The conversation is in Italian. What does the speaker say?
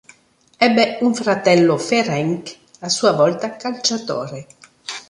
Ebbe un fratello, Ferenc, a sua volta calciatore.